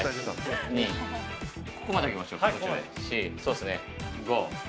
ここまで上げましょうね。